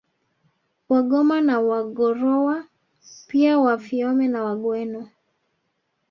Wagoma na Wagorowa pia Wafiome na Wagweno